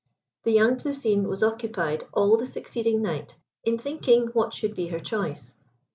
The young Plousine was occupied all the succeeding night in thinking what should be her choice.